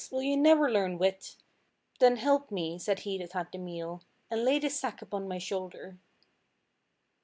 will you never learn wit? Then help me," said he that had the meal, "and lay this sack upon my shoulder."